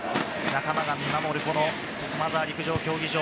仲間が見守る駒沢陸上競技場。